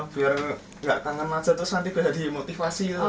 biar nggak kangen aja terus nanti udah dimotivasi